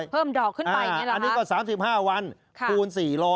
เพิ่มดอกขึ้นไปอันนี้ก็๓๕วันคูณ๔๐๐